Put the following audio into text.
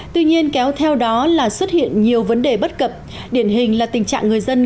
tuy nhiên kéo theo đó là xuất hiện nhiều vấn đề bất cập điển hình là tình trạng người dân